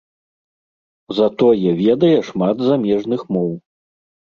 Затое ведае шмат замежных моў.